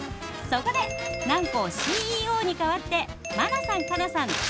そこで南光ＣＥＯに代わって茉奈さん佳奈さん